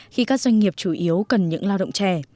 khi các doanh nghiệp chủ yếu cần những lao động trẻ